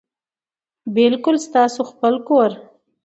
بلکي ستاسو خپل کور،